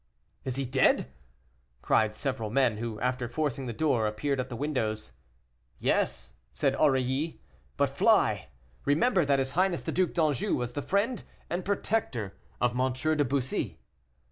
"Is he dead?" cried several men who, after forcing the door, appeared at the windows. "Yes," said Aurilly. "But fly; remember that his highness the Duc d'Anjou was the friend and protector of M. de Bussy."